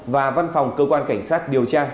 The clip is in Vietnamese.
và văn phòng cơ quan cảnh sát điều tra